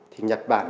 thì nhật bản